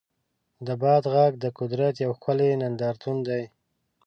د باد غږ د قدرت یو ښکلی نندارتون دی.